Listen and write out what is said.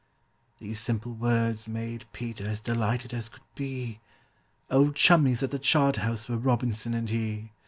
These simple words made PETER as delighted as could be, Old chummies at the Charterhouse were ROBINSON and he!